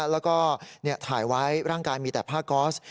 แล้วก็ถ่ายไว้ร่างกายมีแต่ผ้าก๊อส